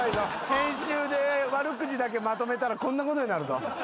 編集で悪口だけまとめたらこんなことになるぞ。